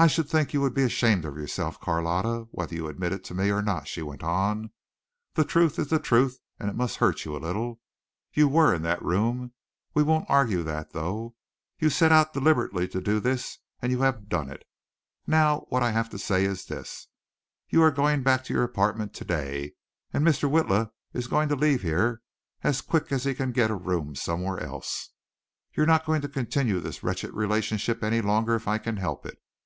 "I should think you would be ashamed of yourself, Carlotta, whether you admit it to me or not," she went on. "The truth is the truth and it must hurt you a little. You were in that room. We won't argue that, though. You set out deliberately to do this and you have done it. Now what I have to say is this: You are going back to your apartment today, and Mr. Witla is going to leave here as quick as he can get a room somewhere else. You're not going to continue this wretched relationship any longer if I can help it.